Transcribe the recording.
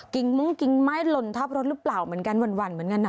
กิ๊งมึงกิ๊งไม่ลนทับรถหรือเปล่าเหมือนกันวันเหมือนกันน่ะ